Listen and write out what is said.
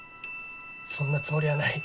そんなつもりはない。